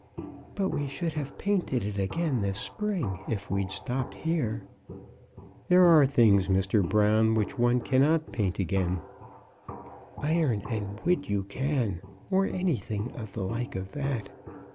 "But we should have painted it again this spring, if we'd stopped here." "There are things, Mr. Brown, which one cannot paint again." "Iron and wood you can, or anything of the like of that."